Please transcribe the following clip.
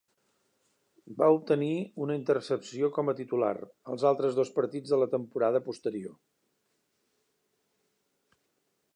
Va obtenir una intercepció com a titular als altres dos partits de la temporada posterior.